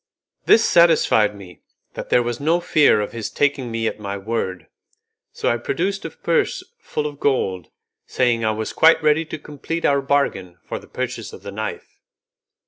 This satisfied me that there was no fear of his taking me at my word, so I produced a purse full of gold, saying I was quite ready to complete our bargain for the purchase of the knife.